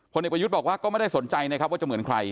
เด็กประยุทธ์บอกว่าก็ไม่ได้สนใจนะครับว่าจะเหมือนใคร